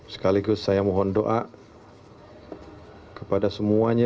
sekaligus saya mohon doa kepada semuanya